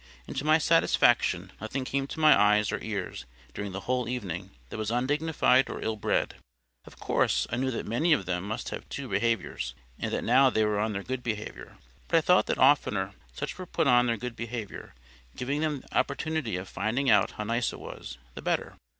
And to my satisfaction nothing came to my eyes or ears, during the whole evening, that was undignified or ill bred. Of course, I knew that many of them must have two behaviours, and that now they were on their good behaviour. But I thought the oftener such were put on their good behaviour, giving them the opportunity of finding out how nice it was, the better.